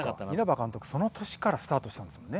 監督、その年からスタートしたんですもんね。